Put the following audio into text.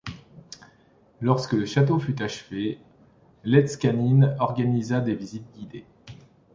Lorsque le château fut achevé, Leedskanin organisa des visites guidées.